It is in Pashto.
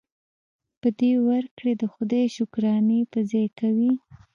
په دې ورکړې د خدای شکرانې په ځای کوي.